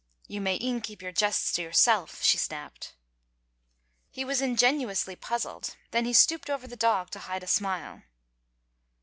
"You may e'en keep your jests to yourself," she snapped. He was ingenuously puzzled, then he stooped over the dog to hide a smile.